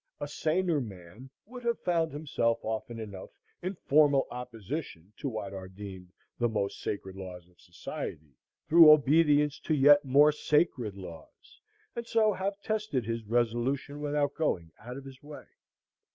A saner man would have found himself often enough "in formal opposition" to what are deemed "the most sacred laws of society," through obedience to yet more sacred laws, and so have tested his resolution without going out of his way.